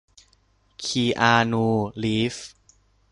คีอานู รีฟส์